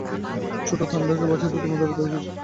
ছোট্ট থান্ডারকে বাঁচাতে তুমি উদারতা দেখিয়েছ।